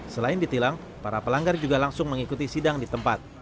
selain ditilang para pelanggar juga langsung mengikuti sidang di tempat